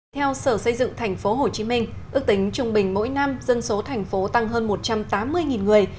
theo sở xây dựng thành phố hồ chí minh ước tính trung bình mỗi năm dân số thành phố tăng hơn một trăm tám mươi người